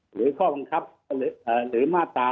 หรือข้อบังคับหรือมาตรา๑